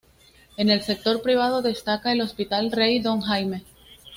En el sector privado, destaca el Hospital Rey Don Jaime.